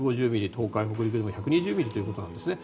東海、北陸でも１２０ミリということなんです。